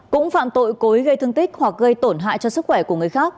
cũng phạm tội cối gây thương tích hoặc gây tổn hại cho sức khỏe của người khác